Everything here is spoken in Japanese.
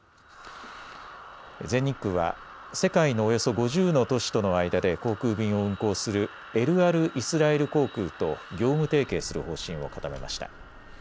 全日空は世界のおよそ５０の都市との間で航空便を運航するエルアルイスラエル航空と業務提携する方針を固めました。